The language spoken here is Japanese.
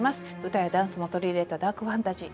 歌やダンスも取り入れたダークファンタジー。